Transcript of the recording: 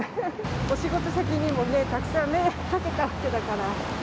お仕事先にもね、たくさん迷惑かけたわけだから。